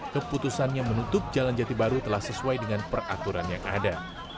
keputusannya menutup jalan jati baru telah sesuai dengan peraturan yang ada